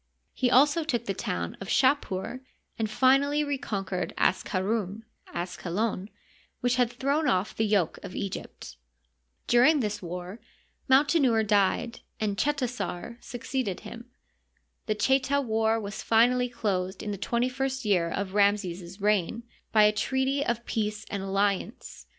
He also took the town of Shapur, and finally reconquered Asqarun (Asqalon) which had thrown off the yoke of Egypt. During this war Mautenouer died, and Chetasar succeeded him. The Cheta war was finally closed in the twenty first year of Ramses's reign by a treaty of peace and alliance.